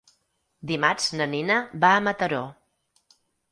Dimarts na Nina va a Mataró.